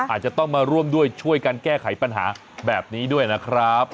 อาจจะต้องมาร่วมด้วยช่วยกันแก้ไขปัญหาแบบนี้ด้วยนะครับ